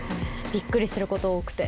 びっくりすること多くて。